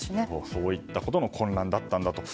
そういったことの混乱だったんだと。